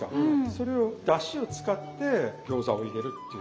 それをだしを使って餃子を入れるっていうのが。